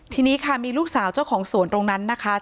ทีนี้ค่ะมีลูกสาวเจ้าของสวนตรงนั้นนะคะ